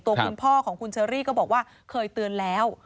ตัวคุณพ่อของคุณเชอรี่ก็บอกว่าเคยเตือนแล้ว